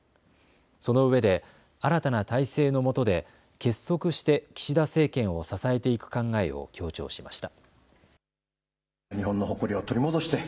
そのうえで新たな体制のもとで結束して岸田政権を支えていく考えを強調しました。